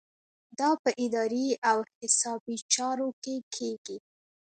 دا په اداري او حسابي چارو کې کیږي.